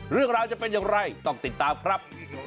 เรื่องราวจะเป็นอย่างไรต้องติดตามครับ